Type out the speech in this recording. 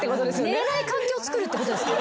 寝れない環境をつくるってことですか？